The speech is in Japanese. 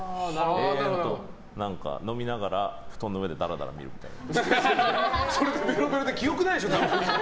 映画だと、飲みながら布団の上でだらだら見るみたいな。